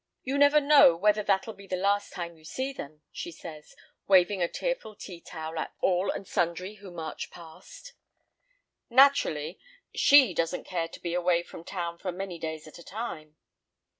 "You never know whether that'll be the last time you'll see them," she says, waving a tearful tea towel at all and sundry who march past. Naturally, she doesn't care to be away from town for many days at a time.